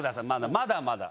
まだまだ。